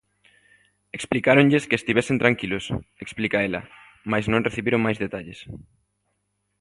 Explicáronlles que estivesen tranquilos, explica ela, mais non recibiron máis detalles.